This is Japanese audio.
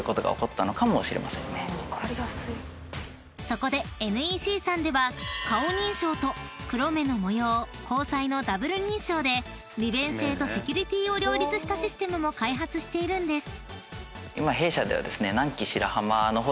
［そこでＮＥＣさんでは顔認証と黒目の模様虹彩のダブル認証で利便性とセキュリティーを両立したシステムも開発しているんです］